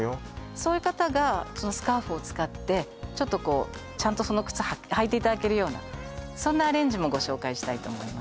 そういう方がスカーフを使ってちょっとこうちゃんとその靴履いていただけるようなそんなアレンジもご紹介したいと思います